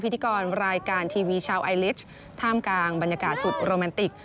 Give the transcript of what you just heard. พิธีกรรายการทีวีชาวไอลิชท่ามกลางบรรยากาศสุดโรแมนติก